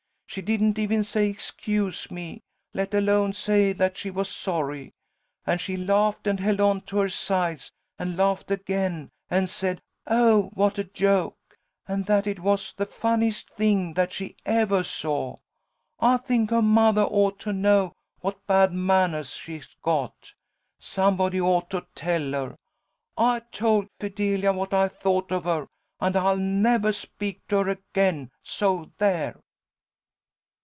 She didn't even say 'excuse me,' let alone say that she was sorry. And she laughed and held on to her sides, and laughed again, and said, 'oh, what a joke,' and that it was the funniest thing that she evah saw. I think her mothah ought to know what bad mannahs she's got. Somebody ought to tell her. I told Fidelia what I thought of her, and I'll nevah speak to her again! So there!"